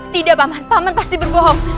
tidak paman paman pasti berbohong